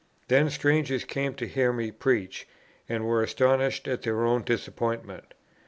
Then strangers came to hear me preach, and were astonished at their own disappointment.